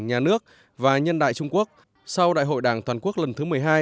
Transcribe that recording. nhà nước và nhân đại trung quốc sau đại hội đảng toàn quốc lần thứ một mươi hai